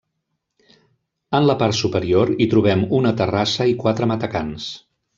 En la part superior hi trobem una terrassa i quatre matacans.